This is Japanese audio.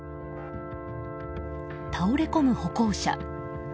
倒れ込む歩行者。